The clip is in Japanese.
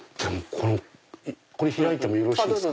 これ開いてもよろしいですか？